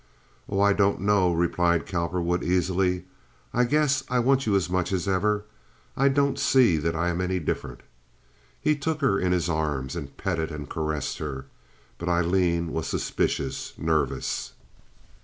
"Oh, I don't know," replied Cowperwood, easily; "I guess I want you as much as ever. I don't see that I am any different." He took her in his arms and petted and caressed her; but Aileen was suspicious, nervous.